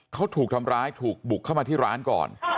เขาถูกทำร้ายถูกบุกเข้ามาที่ร้านก่อน